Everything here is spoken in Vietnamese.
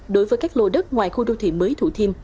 đối với các lô đất ngoài khu đô thị mới thủ thiêm